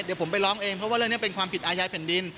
เดี๋ยวผมไปร้องเองเพราะว่าเรื่องนี้เป็นความผิดอาญาแผ่นดิน